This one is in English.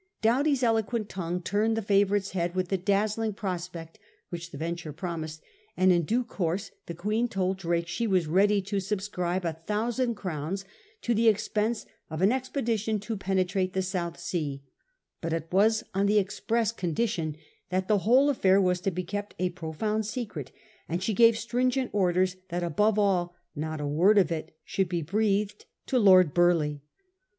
Doughty's eloquent tongue turned the favourite's head with the dazzling prospect which the venture promised, and in due course the Queen told Drake she was ready to subscribe a thousand crowns to the expense of an expedition to penetrate the South Sea ; but it was on the express condition that the whole affair was to be kept a profound secret, and she gave stringent orders that above all not a word of it should be breathed to Lord Burleigh.